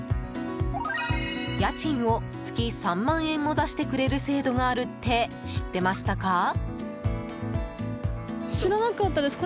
家賃を月３万円も出してくれる制度があるって知ってましたか？